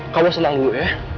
kamu senang dulu ya